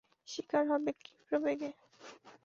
শিকার হবে ক্ষিপ্রবেগে।